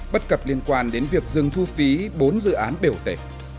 bất cập liên quan đến việc dừng thu phí bốn dự án biểu tệ